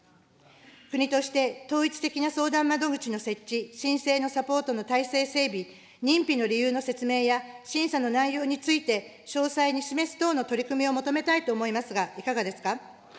国として統一的な相談窓口の設置、申請のサポートの体制整備、認否の理由の説明や、審査の内容について詳細に示す等の取り組みを求めたいと思いますが、いかがですか。